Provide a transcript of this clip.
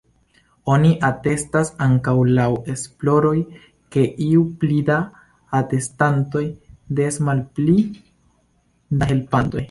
Oni atestas ankaŭ laŭ esploroj, ke ju pli da atestantoj, des malpli da helpantoj.